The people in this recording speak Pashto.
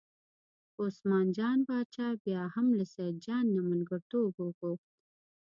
خو عثمان جان باچا بیا هم له سیدجان نه ملګرتوب وغوښت.